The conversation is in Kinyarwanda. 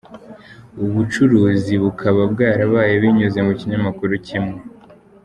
Ubu bucuruzi bukaba bwarabaye binyuze mu kinyamakuru kimwe.